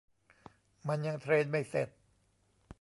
มันยังเทรนไม่เสร็จ